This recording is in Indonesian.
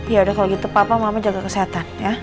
ya udah kalau gitu papa mama jaga kesehatan